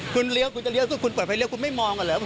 คุณเลี้ยวคุณจะเลี้ยคือคุณเปิดไฟเลี้ยคุณไม่มองกันเหรอ